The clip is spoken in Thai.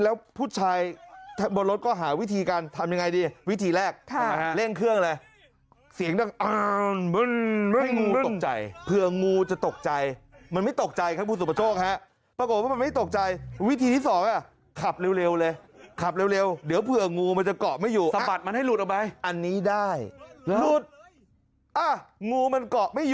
แล้วผู้ชายบนรถก็หาวิธีกันทำอย่างไรดี